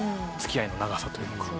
付き合いの長さというか。